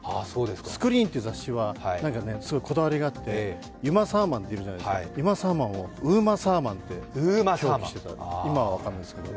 「スクリーン」という雑誌はすごいこだわりがあってユマ・サーマンっているじゃないですか、その方をウーマ・サーマンと表記していた今は分からないですけど。